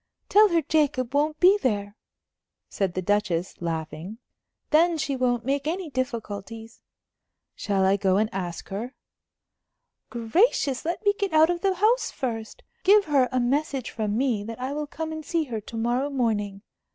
"Tell her Jacob won't be there," said the Duchess, laughing. "Then she won't make any difficulties." "Shall I go and ask her?" "Gracious! let me get out of the house first. Give her a message from me that I will come and see her to morrow morning.